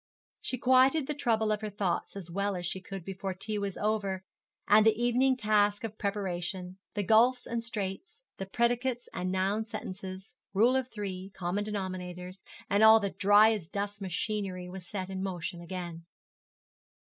She quieted the trouble of her thoughts as well as she could before tea was over and the evening task of preparation, the gulfs and straits, the predicates and noun sentences, rule of three, common denominators, and all the dry as dust machinery was set in motion again.